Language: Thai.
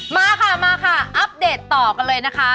มาค่ะมาค่ะอัปเดตต่อกันเลยนะคะ